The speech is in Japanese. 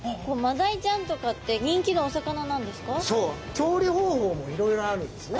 調理方法もいろいろあるんですね。